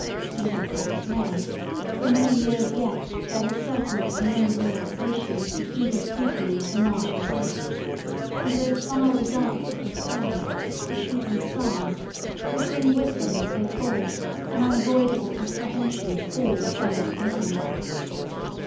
Be that as it may, for many years yet there will certainly be no relaxation of the eager scrutiny of the Martian disk, and those fiery darts of the sky, the shooting stars, will bring with them as they fall an unavoidable apprehension to all the sons of men.